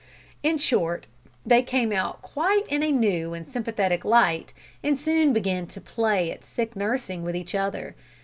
In short, they came out quite in a new and sympathetic light, and soon began to play at sick nursing with each other.